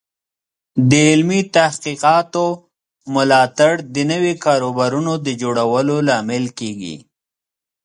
د علمي تحقیقاتو ملاتړ د نوي کاروبارونو د جوړولو لامل کیږي.